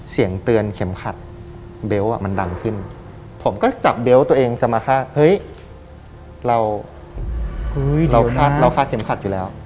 เสียงเตือนเข็มคัดเบลต์ก็จะดังขึ้นผมจะจับเบลต์ตัวเองแล้วคิดว่าเฮ้ยแล้วคิดว่าเช็มคัด